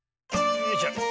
よいしょ。